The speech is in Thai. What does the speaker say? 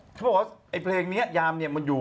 ก็คือพูดว่าเพลงนี้ยามอยู่